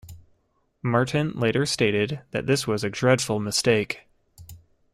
Martin later stated that this was a "dreadful mistake".